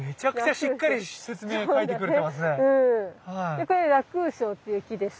でこれラクウショウっていう木でさ。